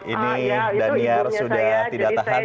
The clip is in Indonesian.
ini daniar sudah tidak tahan